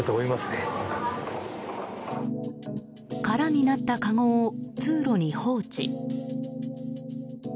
空になったかごを通路に放置。